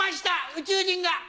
宇宙人が。